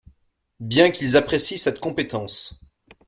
Bien qu’ils apprécient cette compétence.